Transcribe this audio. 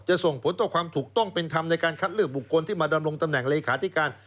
ส่งผลต่อความถูกต้องเป็นธรรมในการคัดเลือกบุคคลที่มาดำรงตำแหน่งเลขาธิการ